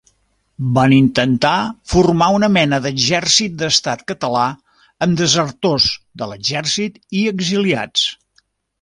Van intentar formar una mena d'exèrcit d'Estat Català amb desertors de l'exèrcit i exiliats.